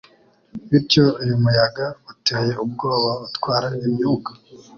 bityo uyu muyaga uteye ubwoba utwara imyuka